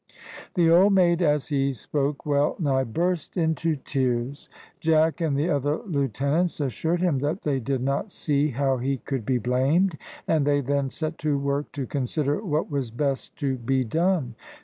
The old mate as he spoke well nigh burst into tears. Jack and the other lieutenants assured him that they did not see how he could be blamed, and they then set to work to consider what was best to be done.